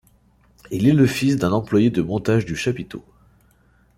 Il est le fils d'un employé de montage du chapiteau.